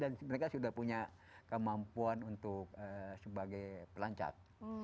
dan mereka sudah punya kemampuan untuk sebagai pelancar